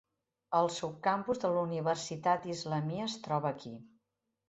El subcampus de la Universitat Islamia es troba aquí.